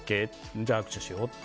じゃあ、握手しようって。